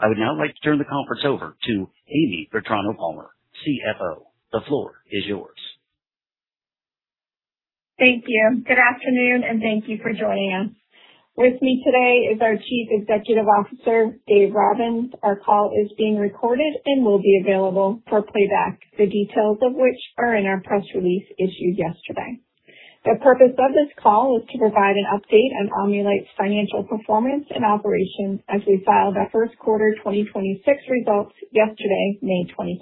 I would now like to turn the conference over to Amy Vetrano-Palmer, CFO. The floor is yours. Thank you. Good afternoon, thank you for joining us. With me today is our Chief Executive Officer, Dave Robbins. Our call is being recorded and will be available for playback, the details of which are in our press release issued yesterday. The purpose of this call is to provide an update on Omni-Lite's financial performance and operations as we filed our first quarter 2026 results yesterday, May 7.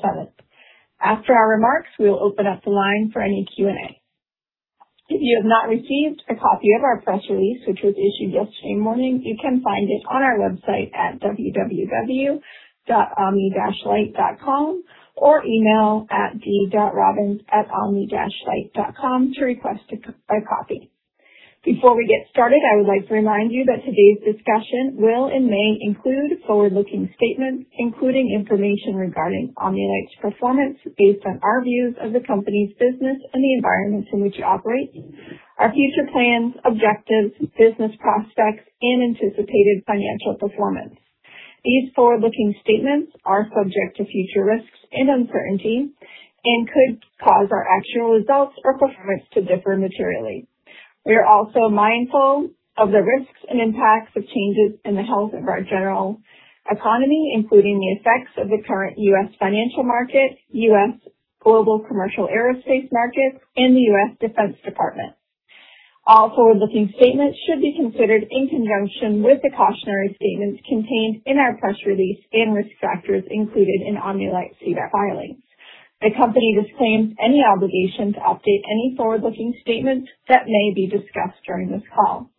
After our remarks, we will open up the line for any Q&A. If you have not received a copy of our press release, which was issued yesterday morning, you can find it on our website at www.omni-lite.com or email at d.robbins@omni-lite.com to request a copy. Before we get started, I would like to remind you that today's discussion will and may include forward-looking statements, including information regarding Omni-Lite's performance based on our views of the company's business and the environment in which it operates, our future plans, objectives, business prospects and anticipated financial performance. These forward-looking statements are subject to future risks and uncertainties and could cause our actual results or performance to differ materially. We are also mindful of the risks and impacts of changes in the health of our general economy, including the effects of the current U.S. financial market, U.S. global commercial aerospace market, and the U.S. Department of Defense. All forward-looking statements should be considered in conjunction with the cautionary statements contained in our press release and risk factors included in Omni-Lite's SEDAR filings. The company disclaims any obligation to update any forward-looking statements that may be discussed during this call.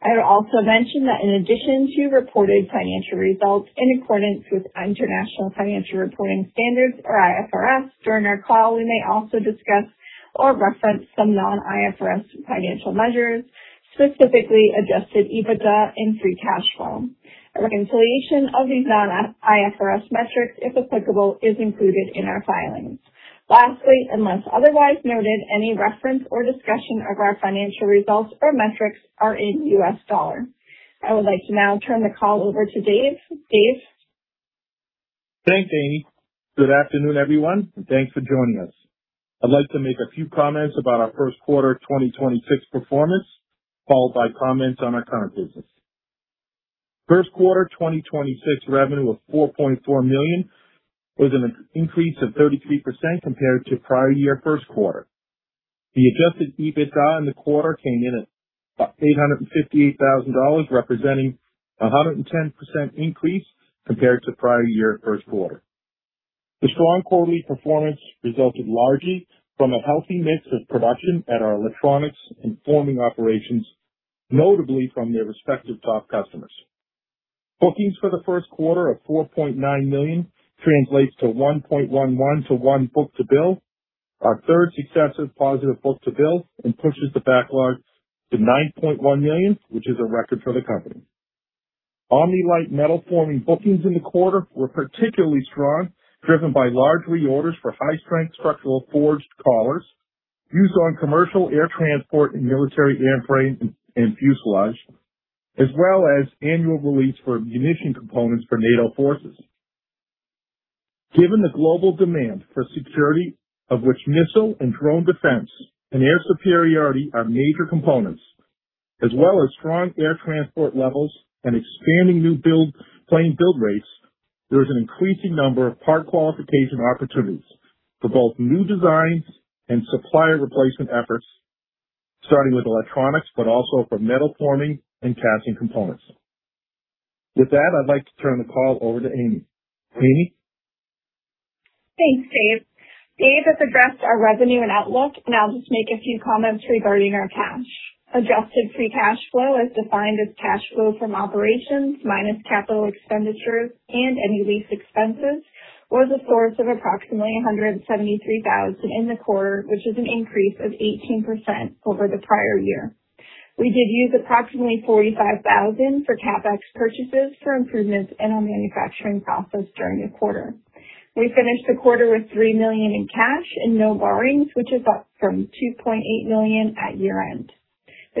I would also mention that in addition to reported financial results in accordance with International Financial Reporting Standards or IFRS during our call, we may also discuss or reference some non-IFRS financial measures, specifically adjusted EBITDA and free cash flow. A reconciliation of these non-IFRS metrics, if applicable, is included in our filings. Lastly, unless otherwise noted, any reference or discussion of our financial results or metrics are in US dollars. I would like to now turn the call over to Dave. Dave? Thanks, Amy. Good afternoon, everyone, and thanks for joining us. I'd like to make a few comments about our first quarter 2026 performance, followed by comments on our current business. First quarter 2026 revenue of 4.4 million was an increase of 33% compared to prior year first quarter. The adjusted EBITDA in the quarter came in at 858,000 dollars, representing 110% increase compared to prior year first quarter. The strong quarterly performance resulted largely from a healthy mix of production at our electronics and forming operations, notably from their respective top customers. Bookings for the first quarter of 4.9 million translates to 1.11:1 book-to-bill. Our third successive positive book-to-bill and pushes the backlog to 9.1 million, which is a record for the company. Omni-Lite metal forming bookings in the quarter were particularly strong, driven by large reorders for high-strength structural forged collars used on commercial air transport and military airframe and fuselage, as well as annual release for munition components for NATO forces. Given the global demand for security, of which missile and drone defense and air superiority are major components, as well as strong air transport levels and expanding new plane build rates, there is an increasing number of part qualification opportunities for both new designs and supplier replacement efforts, starting with electronics, but also for metal forming and casting components. With that, I'd like to turn the call over to Amy. Amy? Thanks, Dave. Dave has addressed our revenue and outlook. I'll just make a few comments regarding our cash. Adjusted free cash flow is defined as cash flow from operations minus capital expenditures and any lease expenses was a source of approximately $173,000 in the quarter, which is an increase of 18% over the prior year. We did use approximately $45,000 for CapEx purchases for improvements in our manufacturing process during the quarter. We finished the quarter with $3 million in cash and no borrowings, which is up from $2.8 million at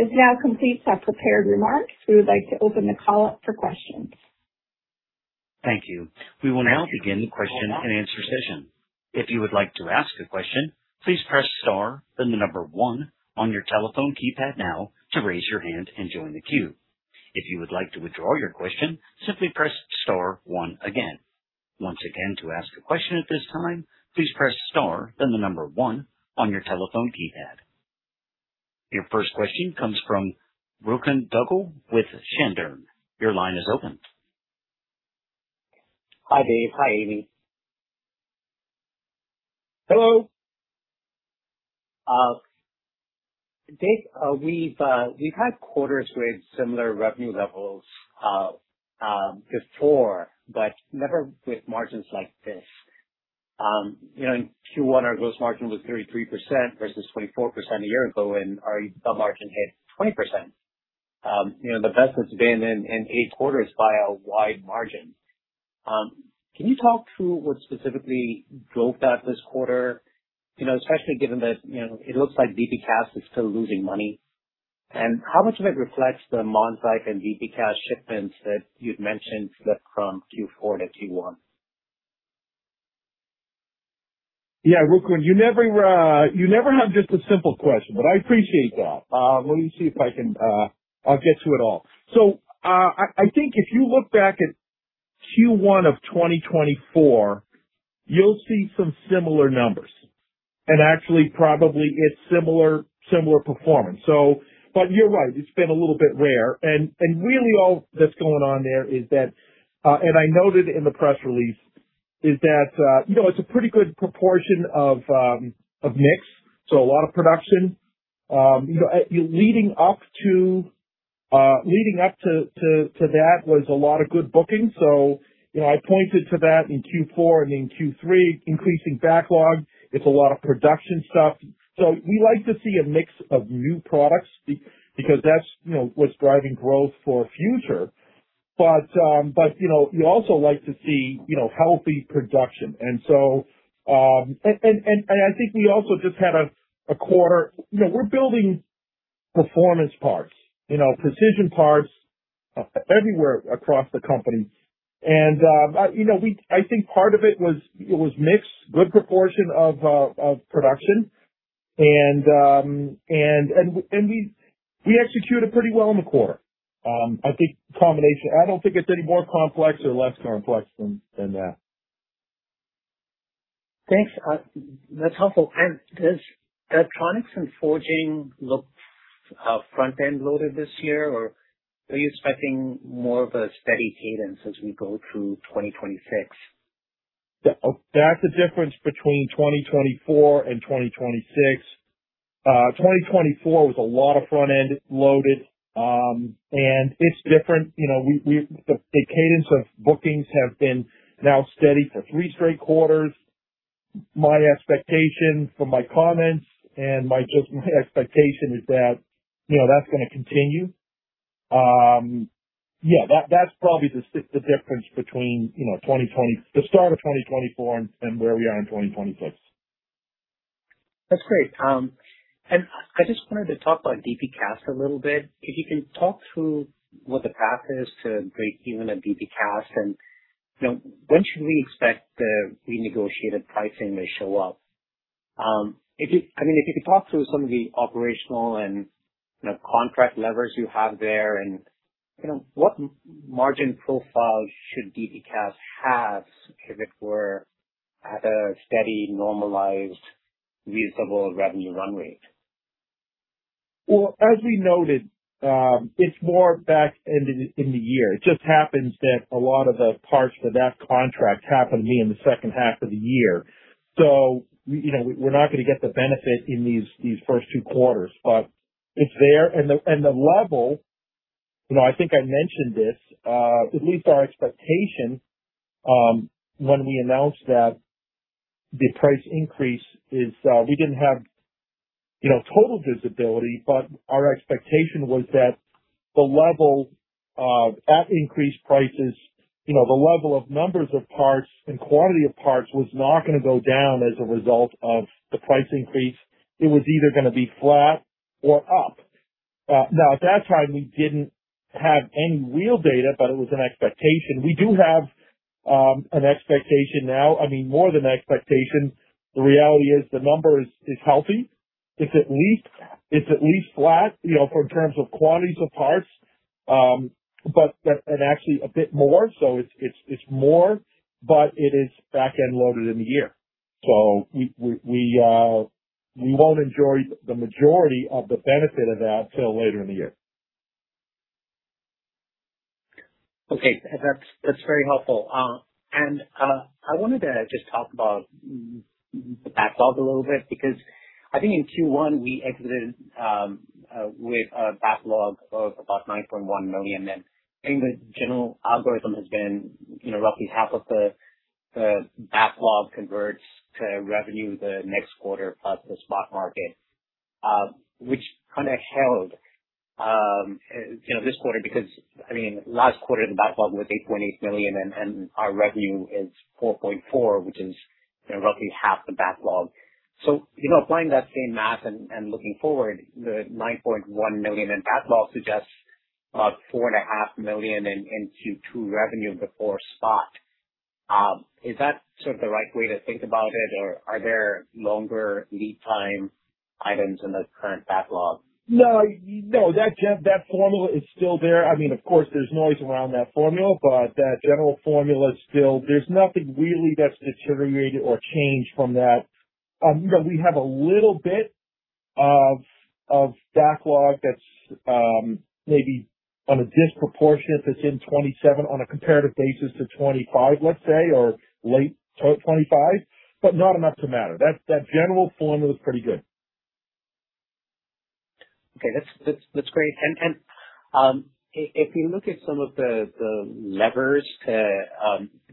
year-end. This now completes our prepared remarks. We would like to open the call up for questions. Thank you. We will now begin the question-and-answer session. If you would like to ask a question, please press star, then the number one on your telephone keypad now to raise your hand and join the queue. If you would like to withdraw your question, simply press star one again. Once again, to ask a question at this time, please press star, then the number one on your telephone keypad. Your first question comes from [Brooklin Dougal] with [Shandern]. Your line is open. Hi, Dave. Hi, Amy. Hello. Dave, we've had quarters with similar revenue levels before, but never with margins like this. In Q1, our gross margin was 33% versus 24% a year ago, and our margin hit 20%. The best it's been in eight quarters by a wide margin. Can you talk through what specifically drove that this quarter? Especially given that it looks like DP Cast is still losing money. How much of it reflects the Monzite and DP Cast shipments that you'd mentioned slipped from Q4 to Q1? Yeah. [Brooklin], you never have just a simple question, but I appreciate that. Let me see if I'll get to it all. I think if you look back at Q1 of 2024, you'll see some similar numbers. Actually, probably it's similar performance. You're right, it's been a little bit rare. Really all that's going on there is that, and I noted in the press release, is that it's a pretty good proportion of mix, so a lot of production. Leading up to that was a lot of good bookings. I pointed to that in Q4 and in Q3, increasing backlog. It's a lot of production stuff. We like to see a mix of new products because that's what's driving growth for future. You also like to see healthy production. I think we also just had a quarter. We're building performance parts, precision parts, everywhere across the company. I think part of it was mix, good proportion of production, and we executed pretty well in the quarter. I think combination. I don't think it's any more complex or less complex than that. Thanks. That's helpful. Does electronics and forging look front-end loaded this year, or are you expecting more of a steady cadence as we go through 2026? That's the difference between 2024 and 2026. 2024 was a lot of front-end loaded. It's different. The cadence of bookings have been now steady for three straight quarters. My expectation from my comments and my expectation is that's going to continue. Yeah, that's probably the difference between the start of 2024 and where we are in 2026. That's great. I just wanted to talk about DP Cast a little bit. If you can talk through what the path is to break even at DP Cast, and when should we expect the renegotiated pricing to show up? If you could talk through some of the operational and contract levers you have there, and what margin profile should DP Cast have if it were at a steady, normalized, reasonable revenue run rate? Well, as we noted, it's more back end in the year. It just happens that a lot of the parts for that contract happen to be in the second half of the year. We're not going to get the benefit in these first two quarters, but it's there. The level, I think I mentioned this, at least our expectation, when we announced that the price increase, we didn't have total visibility, but our expectation was that the level of, at increased prices, the level of numbers of parts and quantity of parts was not going to go down as a result of the price increase. It was either going to be flat or up. At that time, we didn't have any real data, but it was an expectation. We do have an expectation now. I mean, more than expectation. The reality is the number is healthy. It's at least flat in terms of quantities of parts, and actually a bit more, so it's more, but it is back-end loaded in the year. We won't enjoy the majority of the benefit of that till later in the year. Okay. That's very helpful. I wanted to just talk about the backlog a little bit, because I think in Q1, we exited with a backlog of about $9.1 million, and I think the general algorithm has been roughly half of the backlog converts to revenue the next quarter plus the spot market, which kind of held this quarter because last quarter, the backlog was $8.8 million and our revenue is $4.4 million, which is roughly half the backlog. Applying that same math and looking forward, the $9.1 million in backlog suggests about four and a half million in Q2 revenue before spot. Is that sort of the right way to think about it, or are there longer lead time items in the current backlog? No, that formula is still there. Of course, there's noise around that formula, but that general formula is still. There's nothing really that's deteriorated or changed from that. We have a little bit of backlog that's maybe on a disproportionate that's in 2027 on a comparative basis to 2025, let's say, or late 2025, but not enough to matter. That general formula is pretty good. Okay. That's great. If we look at some of the levers to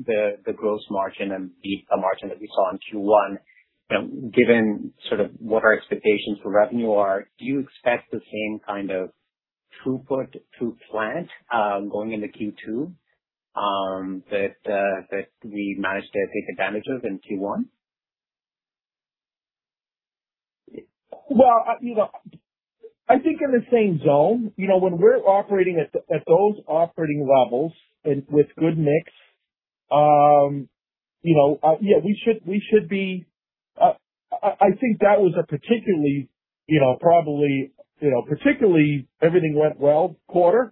the gross margin and EBITDA margin that we saw in Q1, given sort of what our expectations for revenue are, do you expect the same kind of throughput to plant going into Q2 that we managed to take advantage of in Q1? Well, I think in the same zone. When we're operating at those operating levels and with good mix, yeah, I think that was a particularly everything went well quarter.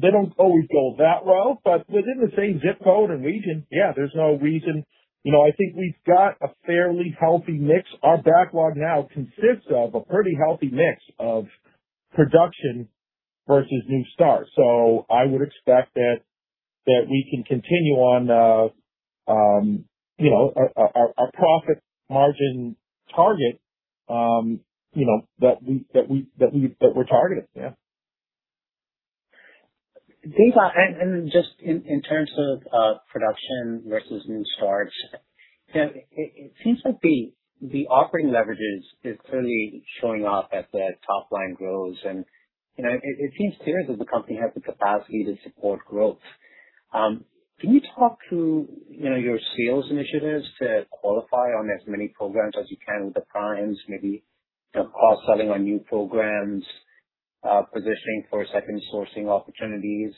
They don't always go that well, but within the same zip code and region, yeah, there's no reason. I think we've got a fairly healthy mix. Our backlog now consists of a pretty healthy mix of production versus new start. I would expect that we can continue on our profit margin target that we're targeting. Yeah. Dave, just in terms of production versus new starts, it seems like the operating leverage is clearly showing up as that top line grows, and it seems clear that the company has the capacity to support growth. Can you talk to your sales initiatives to qualify on as many programs as you can with the primes, maybe cross-selling on new programs, positioning for second sourcing opportunities?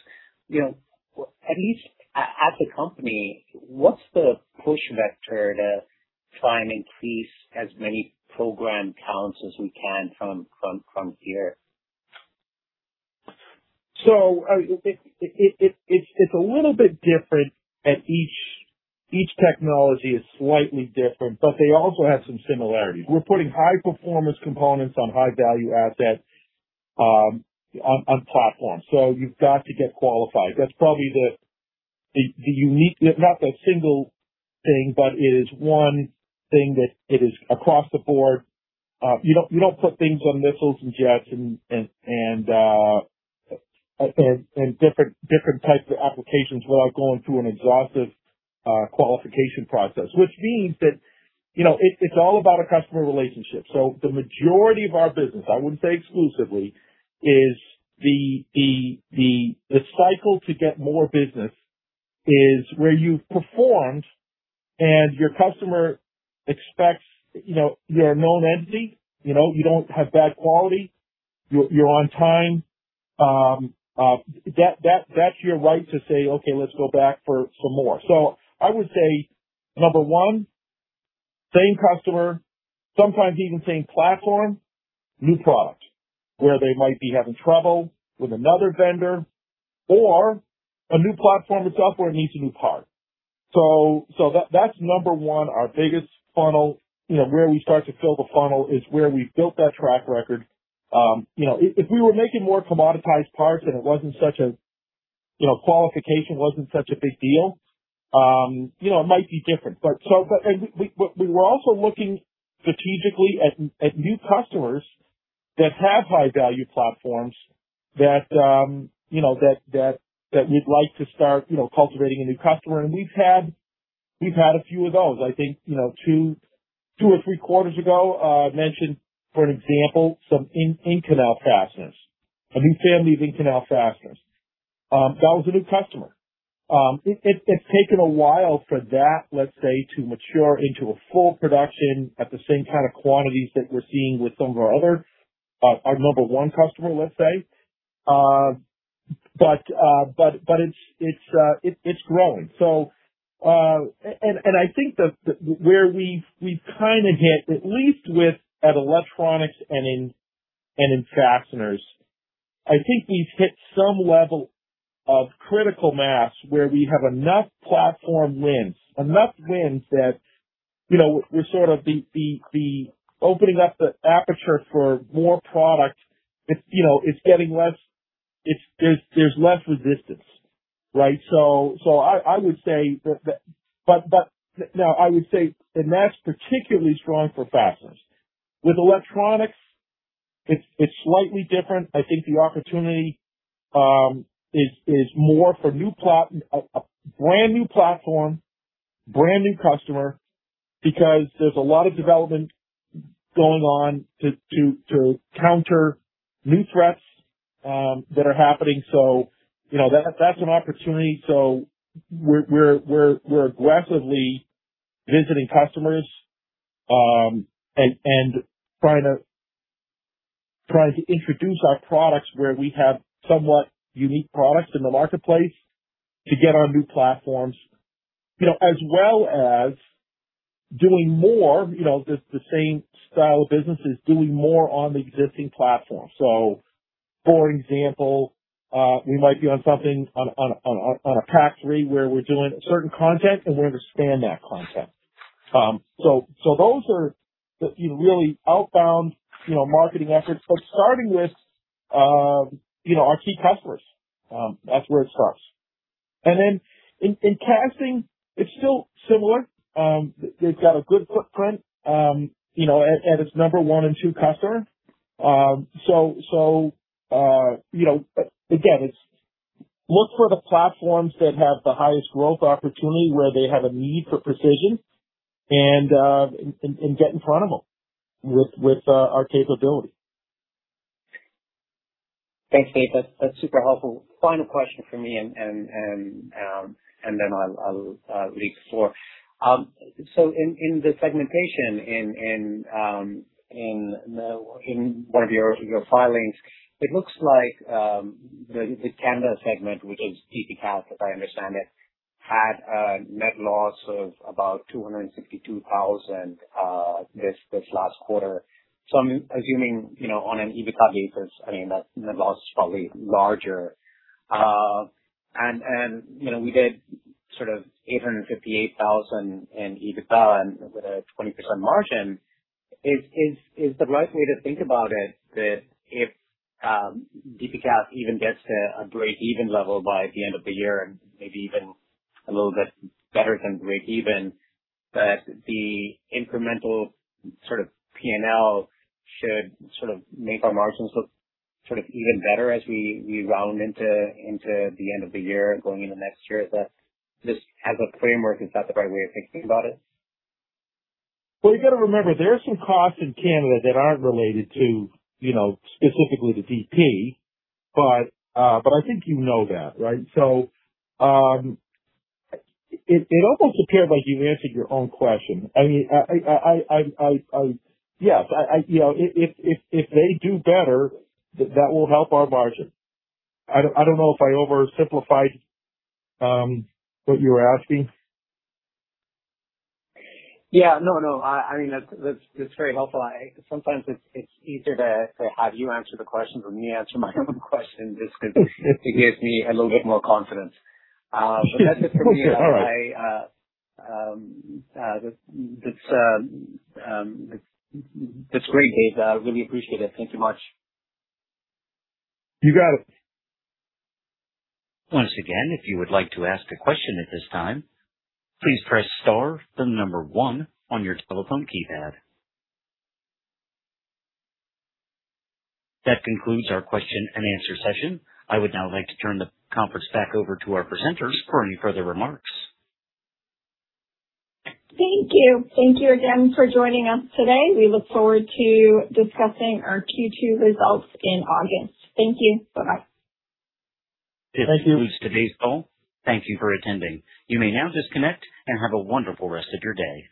At least at the company, what's the push vector to try and increase as many program counts as we can from here? It's a little bit different, and each technology is slightly different, but they also have some similarities. We're putting high performance components on high value assets on platform. You've got to get qualified. That's probably the unique, not the single thing, but it is one thing that it is across the board. You don't put things on missiles and jets and different types of applications without going through an exhaustive qualification process, which means that it's all about a customer relationship. The majority of our business, I wouldn't say exclusively, is the cycle to get more business is where you've performed and your customer expects. You're a known entity. You don't have bad quality. You're on time. That's your right to say, "Okay, let's go back for some more." I would say, number one, same customer, sometimes even same platform, new product, where they might be having trouble with another vendor or a new platform itself where it needs a new part. That's number one. Our biggest funnel, where we start to fill the funnel is where we've built that track record. If we were making more commoditized parts and qualification wasn't such a big deal, it might be different. We were also looking strategically at new customers that have high value platforms that we'd like to start cultivating a new customer. We've had a few of those. I think two or three quarters ago, mentioned, for an example, some Inconel fasteners. A new family of Inconel fasteners. That was a new customer. It's taken a while for that, let's say, to mature into a full production at the same kind of quantities that we're seeing with some of our other, our number one customer, let's say. It's growing. I think that where we've kind of hit, at least with at electronics and in fasteners, I think we've hit some level of critical mass where we have enough platform wins, enough wins that we're sort of opening up the aperture for more product. There's less resistance, right? I would say, that's particularly strong for fasteners. With electronics, it's slightly different. I think the opportunity is more for a brand new platform, brand new customer, because there's a lot of development going on to counter new threats that are happening. That's an opportunity. We're aggressively visiting customers, and trying to introduce our products where we have somewhat unique products in the marketplace to get on new platforms, as well as doing more, the same style of businesses, doing more on the existing platform. For example, we might be on something on a PAC-3 where we're doing certain content and we understand that content. Those are the really outbound marketing efforts. Starting with our key customers, that's where it starts. In casting, it's still similar. They've got a good footprint at its number one and two customer. Again, it's look for the platforms that have the highest growth opportunity where they have a need for precision and get in front of them with our capability. Thanks, Dave. That's super helpful. Final question from me, and then I'll leave the floor. In the segmentation in one of your filings, it looks like the Canada segment, which is DP Cast, if I understand it, had a net loss of about $262,000 this last quarter. I'm assuming on an EBITDA basis, that net loss is probably larger. We did sort of $858,000 in EBITDA and with a 20% margin. Is the right way to think about it that if DP Cast even gets to a breakeven level by the end of the year and maybe even a little bit better than breakeven, that the incremental P&L should make our margins look even better as we round into the end of the year and going into next year? Just as a framework, is that the right way of thinking about it? You got to remember, there are some costs in Canada that aren't related to specifically the DP, but I think you know that, right? It almost appeared like you answered your own question. Yes. If they do better, that will help our margin. I don't know if I oversimplified what you were asking. Yeah. No, that's very helpful. Sometimes it's easier to have you answer the questions than me answer my own question, just because it gives me a little bit more confidence. That's it for me. All right. That's great, Dave. I really appreciate it. Thank you much. You got it. That concludes our question-and-answer session. I would now like to turn the conference back over to our presenters for any further remarks. Thank you. Thank you again for joining us today. We look forward to discussing our Q2 results in August. Thank you. Bye-bye. Thank you. This concludes today's call. Thank you for attending. You may now disconnect and have a wonderful rest of your day.